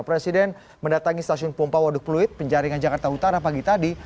presiden mendatangi stasiun pompa waduk pluit penjaringan jakarta utara pagi tadi